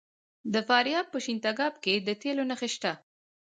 د فاریاب په شیرین تګاب کې د تیلو نښې شته.